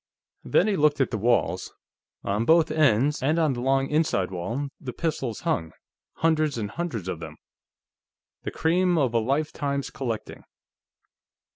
Then he looked at the walls. On both ends, and on the long inside wall, the pistols hung, hundreds and hundreds of them, the cream of a lifetime's collecting.